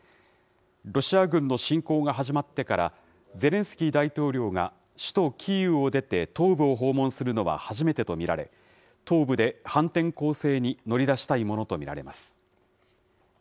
ロシア軍の侵攻が始まってから、ゼレンスキー大統領が首都キーウを出て、東部を訪問するのは初めてと見られ、東部で反転攻勢に乗り出したいものと見られます。